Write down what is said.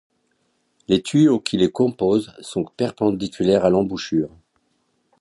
Les tuyaux qui le composent sont perpendiculaires à l'embouchure.